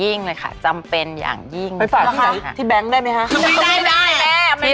โรงพยาบาลพญาไทย๗